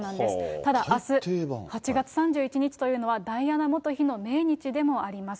ただ、あす８月３１日というのは、ダイアナ元妃の命日でもあります。